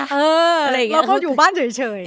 เราก็อยู่บ้านเฉย